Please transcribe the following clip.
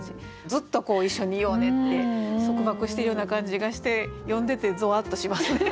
ずっと一緒にいようねって束縛しているような感じがして読んでてぞわっとしますね。